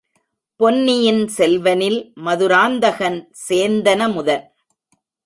பொன்னியின் செல்வனில் மதுராந்தகன் சேந்தனமுதன்!